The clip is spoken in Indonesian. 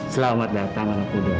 selamat datang makudahar